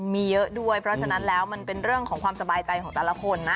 มีเยอะด้วยเพราะฉะนั้นแล้วมันเป็นเรื่องของความสบายใจของแต่ละคนนะ